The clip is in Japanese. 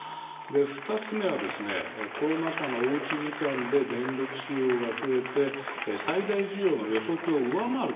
２つ目はですねコロナ禍のおうち時間で電力使用が増えて最大需要の予測を上回るケースがあるんですね。